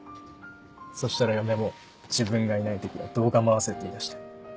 そしたら嫁も「自分がいない時は動画回せ」って言い出して。